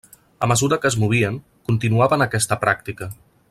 A mesura que es movien, continuaven aquesta pràctica.